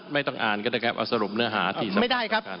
ไม่ต้องอ่านก็ได้ครับเอาสรุปเนื้อหาที่ไหนไม่ได้ครับ